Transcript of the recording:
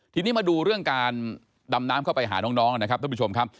ทีนี้มาดูเรื่องการดำน้ำเข้าไปหาน้องนะครับท่านผู้ชมครับ